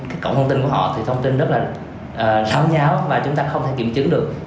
cái cổng thông tin của họ thì thông tin rất là xấu nháo và chúng ta không thể kiểm chứng được